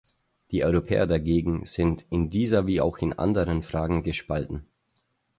Die Europäer dagegen sind in dieser wie auch in anderen Fragen gespalten.